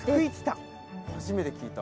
初めて聞いた。